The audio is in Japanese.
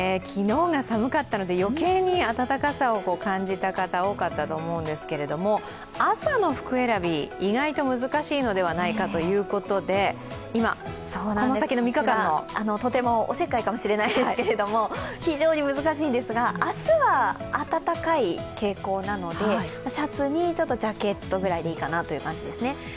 昨日が寒かったので余計に暖かさを感じた方多かったと思うんですけれども朝の服選び、意外と難しいのではないかということで、今、この先の３日間のとてもおせっかいかもしれないですけど非常に難しいんですが明日は暖かい傾向なので、シャツにちょっとジャケットぐらいでいいかなという感じですね。